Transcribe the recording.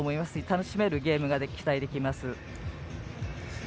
楽しめるゲームが期待できます。